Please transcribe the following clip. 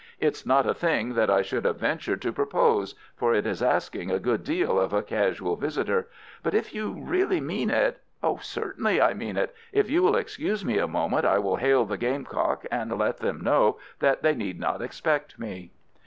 "It's not a thing that I should have ventured to propose, for it is asking a good deal of a casual visitor, but if you really mean it——" "Certainly I mean it. If you will excuse me a moment, I will hail the Gamecock and let them know that they need not expect me."